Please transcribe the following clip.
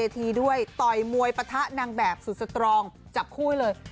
ด้วยต่อยมวยปะทะนางแบบสุดสตรองจับคู่ให้เลย